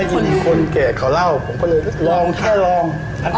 ผมเคยได้ยินคนแก่เขาเล่าผมก็เลยลองแค่ลอง